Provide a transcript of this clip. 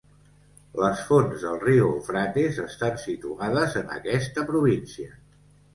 Les fonts del riu Eufrates estan situades en aquesta província.